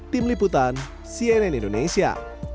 tim liputan cnn indonesia